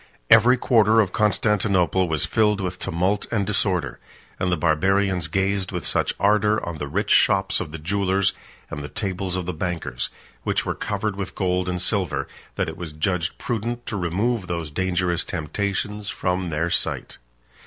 35 Every quarter of Constantinople was filled with tumult and disorder; and the Barbarians gazed with such ardor on the rich shops of the jewellers, and the tables of the bankers, which were covered with gold and silver, that it was judged prudent to remove those dangerous temptations from their sight.